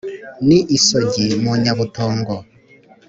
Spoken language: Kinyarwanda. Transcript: ni isogi mu nyabutongo